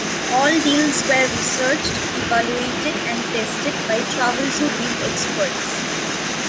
All deals were researched, evaluated and tested by Travelzoo Deal Experts.